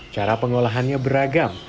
cara pengolahannya beragam